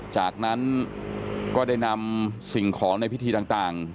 จากนั้นก็ได้นำสิ่งของในพิธีต่าง